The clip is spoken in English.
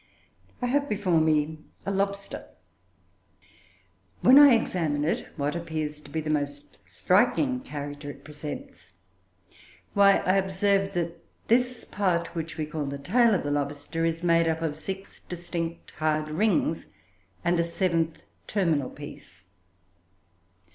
I have before me a lobster. When I examine it, what appears to be the most striking character it presents? Why, I observe that this part which we call the tail of the lobster, is made up of six distinct hard rings and a seventh terminal piece.